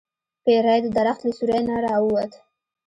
پیری د درخت له سوری نه راووت.